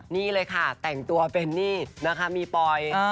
นี่เลยค่ะแต่งตัวเป็นนี่นะคะมีปอย